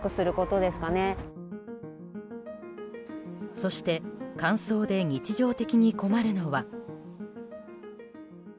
そして、乾燥で日常的に困るのは。